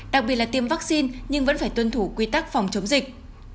đặc biệt là tiêm vaccine nhưng vẫn phải tuân thủ quy tắc phòng chống dịch